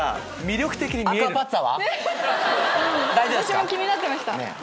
私も気になってました。